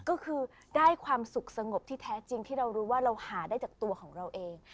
ก็คือได้ความสุขสงบที่แท้จริงที่เรารู้ว่าเราหาได้จากตัวของเราเอง